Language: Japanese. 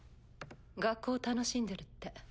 学校楽しんでるって。